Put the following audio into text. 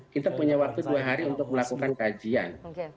kita punya waktu dua hari untuk melakukan kajian